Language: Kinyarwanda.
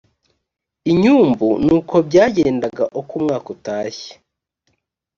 inyumbu ni ko byagendaga uko umwaka utashye